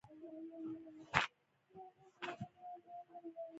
• بښل د عزت نښه ده.